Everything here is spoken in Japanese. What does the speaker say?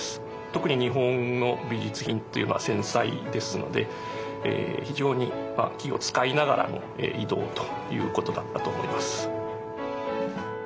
特に日本の美術品というのは繊細ですので非常に気を遣いながらの移動ということだったと思います。